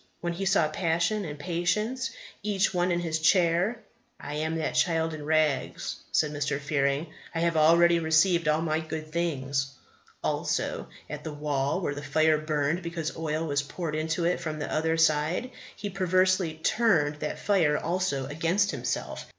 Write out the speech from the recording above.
When he saw Passion and Patience, each one in his chair "I am that child in rags," said Mr. Fearing; "I have already received all my good things!" Also, at the wall where the fire burned because oil was poured into it from the other side, he perversely turned that fire also against himself.